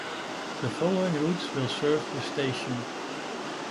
The following routes will serve this station.